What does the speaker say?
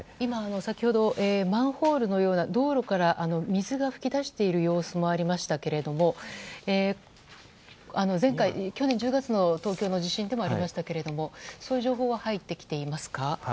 先ほど、マンホールのような道路から水が噴き出しているような様子もありましたが前回、去年１０月の東京の地震でもありましたけどそういう情報は入ってきていますか？